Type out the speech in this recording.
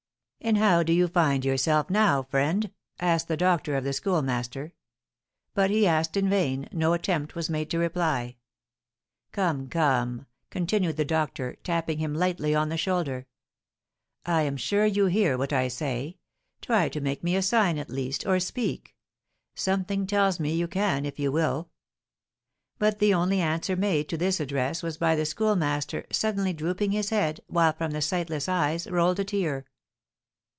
"And how do you find yourself now, friend?" asked the doctor of the Schoolmaster; but he asked in vain, no attempt was made to reply. "Come, come!" continued the doctor, tapping him lightly on the shoulder, "I am sure you hear what I say; try to make me a sign at least, or speak, something tells me you can if you will!" But the only answer made to this address was by the Schoolmaster suddenly drooping his head, while from the sightless eyes rolled a tear.